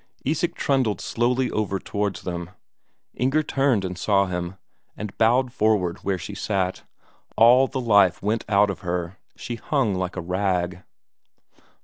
Isak trundled slowly over towards them. Inger turned and saw him, and bowed forward where she sat; all the life went out of her, she hung like a rag.